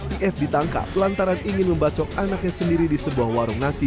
if ditangkap lantaran ingin membacok anaknya sendiri di sebuah warung nasi